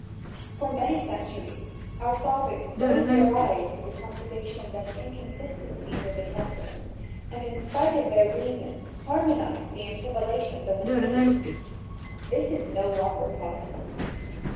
For many centuries our fathers closed their eyes to the contradictions and inconsistencies of the Testament and in spite of their reason harmonized the interpolations and mistakes. This is no longer possible.